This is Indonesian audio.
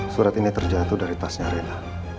surat ini terjatuh dari tasnya arena